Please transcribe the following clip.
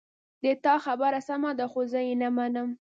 د تا خبره سمه ده خو زه یې نه منم